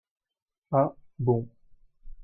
Ah, bon.